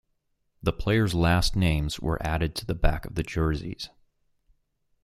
The players' last names were added to the back of the jerseys.